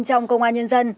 trong công an nhân dân